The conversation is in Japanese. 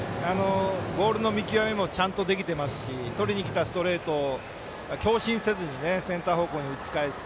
ボールの見極めもちゃんとできてますしとりにきたストレート強振せずにセンター方向に打ち返す。